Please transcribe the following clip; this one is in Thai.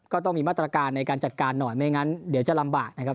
ก็ต้องมีมาตรการในการจัดการหน่อยไม่งั้นเดี๋ยวจะลำบากนะครับ